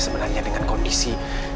sebenarnya dengan kondisi